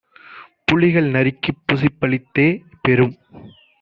புலிகள் நரிக்குப் புசிப்பளித்தே பெரும்